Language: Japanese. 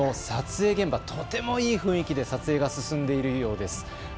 撮影現場、とてもいい雰囲気で撮影が進んでいるようです。